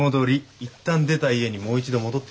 一旦出た家にもう一度戻ってくることだよ。